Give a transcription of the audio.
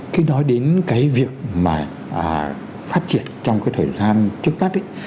khi nói đến cái việc mà phát triển trong cái thời gian trước mắt ấy